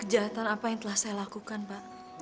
kejahatan apa yang telah saya lakukan pak